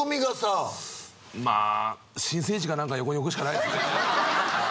まあ新生児か何か横に置くしかないですね。